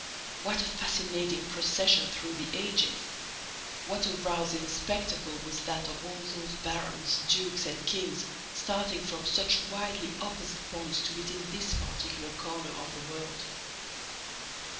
What a fascinating procession through the ages! What a rousing spectacle was that of all those barons, dukes and kings, starting from such widely opposite points to meet in this particular corner of the world!